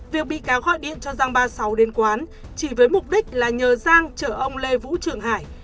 việc bị cáo gọi điện cho giang ba mươi sáu đến quán chỉ với mục đích là nhờ giang chở ông lê vũ trường hải